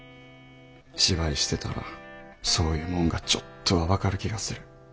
芝居してたらそういうもんがちょっとは分かる気がする。